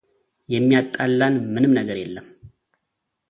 የሚያጣለን ምንም ነገር የለም፡፡